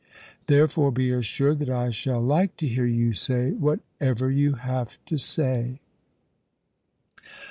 Therefore be assured that I shall like to hear you say whatever you have to say.